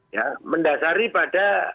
ya mendasari pada